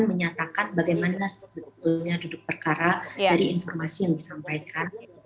menyatakan bagaimana sebetulnya duduk perkara dari informasi yang disampaikan oleh pihak ppce maupun yang lain